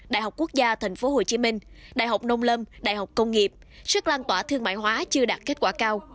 đại học quốc gia tp hcm đại học nông lâm đại học công nghiệp sức lan tỏa thương mại hóa chưa đạt kết quả cao